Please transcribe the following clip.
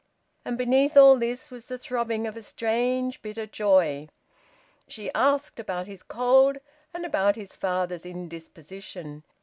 And beneath all this was the throbbing of a strange, bitter joy. She asked about his cold and about his father's indisposition.